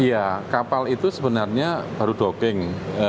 iya kapal itu sebenarnya baru docking